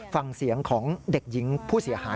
ฟังเสียงของเด็กหญิงผู้เสียหาย